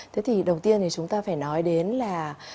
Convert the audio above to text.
thế thì đầu tiên thì chúng ta phải nói đến là